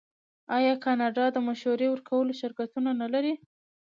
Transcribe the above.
آیا کاناډا د مشورې ورکولو شرکتونه نلري؟